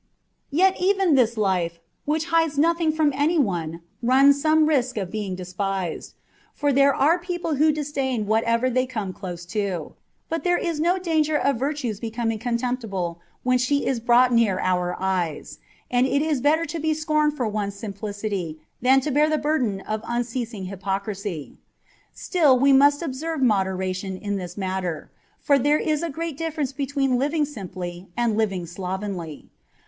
Yet even this life, which hides nothing from any one runs some risk of being despised ; for there are people who disdain whatever they come close to : but there is no danger of virtue's becoming contemptible when she is brought near our eyes, and it is better to be scorned for one's simplicity than to bear the burden of un ceasing hypocrisy. Still, we must observe moderation in this matter, for there is a great difference between living simply and living slovenly.